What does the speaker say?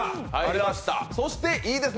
そして、いいですね